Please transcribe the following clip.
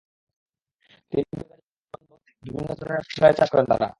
তিন বিঘা জমি বন্দোবস্ত নিয়ে বিভিন্ন ধরনের ফসলের চাষ করেন তাঁরা।